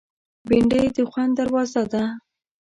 بېنډۍ د خوند دروازه ده